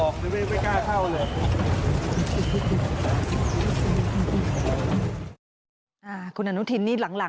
ขอเข้าประตูนี้ครับท่าน